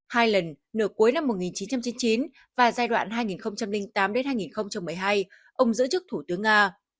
hai lần nửa cuối năm một nghìn chín trăm chín mươi chín và giai đoạn hai nghìn tám hai nghìn một mươi hai ông giữ chức thủ tướng nga